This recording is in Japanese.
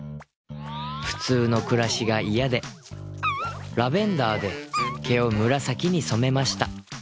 普通の暮らしが嫌でラベンダーで毛を紫に染めました。